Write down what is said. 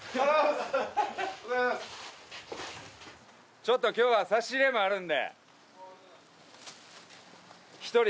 ちょっと今日は差し入れもあるんで。